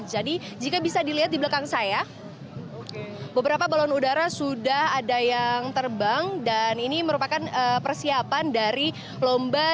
jadi jika bisa dilihat di belakang saya beberapa balon udara sudah ada yang terbang dan ini merupakan persiapan dari lomba